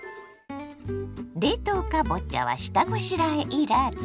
冷凍かぼちゃは下ごしらえいらず。